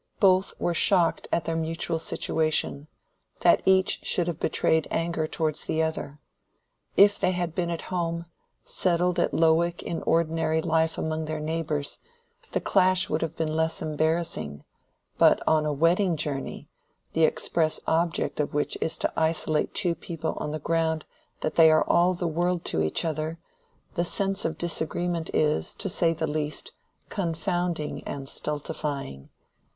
Both were shocked at their mutual situation—that each should have betrayed anger towards the other. If they had been at home, settled at Lowick in ordinary life among their neighbors, the clash would have been less embarrassing: but on a wedding journey, the express object of which is to isolate two people on the ground that they are all the world to each other, the sense of disagreement is, to say the least, confounding and stultifying.